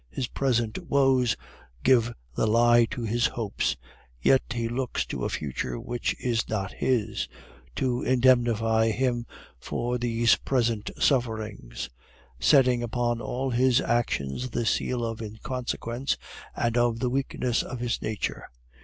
His present woes give the lie to his hopes; yet he looks to a future which is not his, to indemnify him for these present sufferings; setting upon all his actions the seal of inconsequence and of the weakness of his nature.